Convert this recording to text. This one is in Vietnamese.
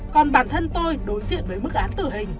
còn bản thân tôi đối diện với mức án tử hình